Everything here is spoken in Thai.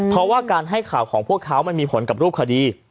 เพราะว่าการให้ข่าวของพวกเขามันมีผลกับรูปคดี